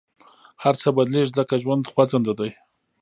هر څه بدلېږي، ځکه ژوند خوځنده دی.